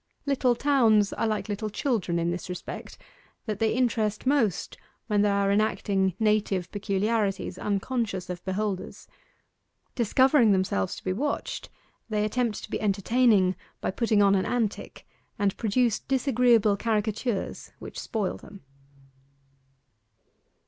Little towns are like little children in this respect, that they interest most when they are enacting native peculiarities unconscious of beholders. Discovering themselves to be watched they attempt to be entertaining by putting on an antic, and produce disagreeable caricatures which spoil them.